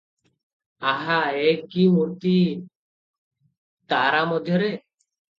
ଆହା! ଏ କି ମୂର୍ତ୍ତି ତାରା ମଧ୍ୟରେ?